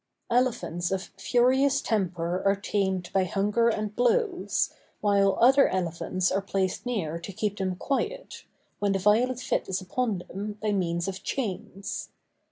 Elephants of furious temper are tamed by hunger and blows, while other elephants are placed near to keep them quiet, when the violent fit is upon them, by means of chains.